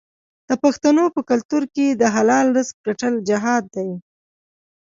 د پښتنو په کلتور کې د حلال رزق ګټل جهاد دی.